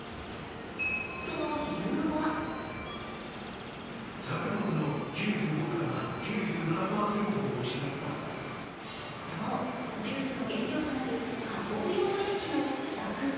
その理由はそう、ジュースの原料となる加工用オレンジの不作。